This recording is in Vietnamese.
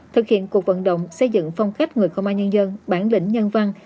thực hiện cuộc vận động xây dựng phong cách người công an nhân dân bản lĩnh nhân văn